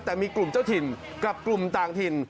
แต่มีกลุ่มเจ้าถิ่นกับกลุ่มต่างถิ่น